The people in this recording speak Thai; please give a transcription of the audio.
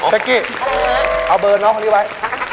กี้เอาเบอร์น้องคนนี้ไว้